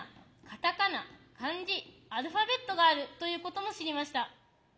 カタカナ漢字アルファベットがあるということも知りました。